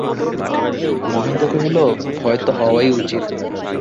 মহেন্দ্র কহিল, ভয় তো হওয়াই উচিত।